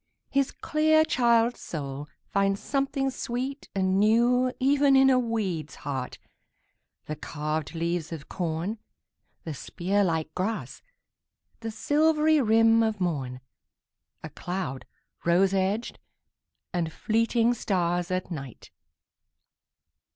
His clear child's soul finds something sweet and newEven in a weed's heart, the carved leaves of corn, The spear like grass, the silvery rim of morn,A cloud rose edged, and fleeting stars at night!